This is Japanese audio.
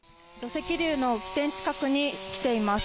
土石流の起点近くに来ています。